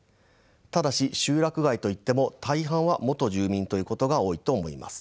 ただし集落外といっても大半は元住民ということが多いと思います。